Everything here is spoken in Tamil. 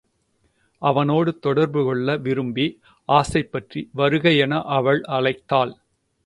அவனோடு தொடர்பு கொள்ள விரும்பி ஆசை பற்றி வருக என அவள் அழைத்தாள்.